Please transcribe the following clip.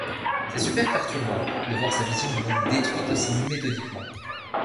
C’est super perturbant, de voir sa vision du monde détruite aussi méthodiquement.